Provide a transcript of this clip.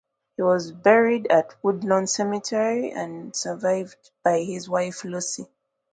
He was buried at Woodlawn Cemetery and survived by his wife Lucy.